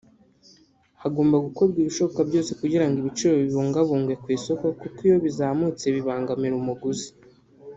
Hagomba gukorwa ibishoboka byose kugira ngo ibiciro bibungabungwe ku isoko kuko iyo bizamutse bibangamira umuguzi